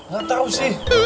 gak tau sih